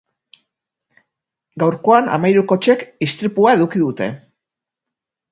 Gaurkoan hamahiru kotxek istripua eduki dute.